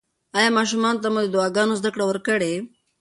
ایا ماشومانو ته مو د دعاګانو زده کړه ورکړې؟